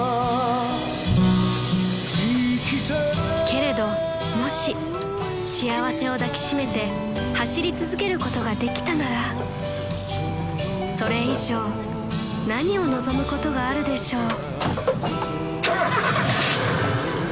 ［けれどもし幸せを抱き締めて走り続けることができたならそれ以上何を望むことがあるでしょう］